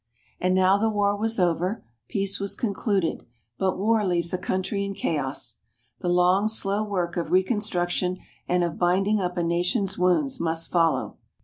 And now the war was over, peace was concluded; but war leaves a country in chaos. The long, slow work of reconstruction and of binding up a nation's wounds must follow.